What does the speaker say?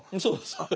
そうです。